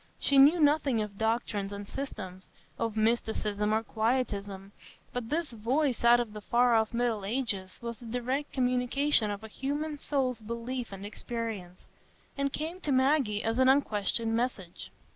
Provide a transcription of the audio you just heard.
She knew nothing of doctrines and systems, of mysticism or quietism; but this voice out of the far off middle ages was the direct communication of a human soul's belief and experience, and came to Maggie as an unquestioned message.